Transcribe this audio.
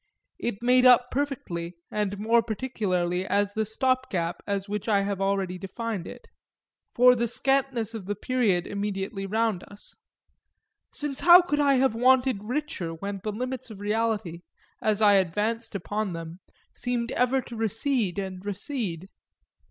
It made up perfectly, and more particularly as the stopgap as which I have already defined it, for the scantness of the period immediately round us; since how could I have wanted richer when the limits of reality, as I advanced upon them, seemed ever to recede and recede?